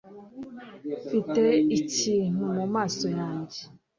Mfite ikintu mumaso yanjye